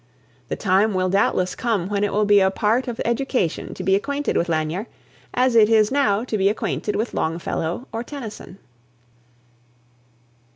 The time will doubtless come when it will be a part of education to be acquainted with Lanier, as it is now to be acquainted with Longfellow or Tennyson.